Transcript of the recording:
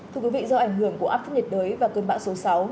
thưa quý vị do ảnh hưởng của áp thấp nhiệt đới và cơn bão số sáu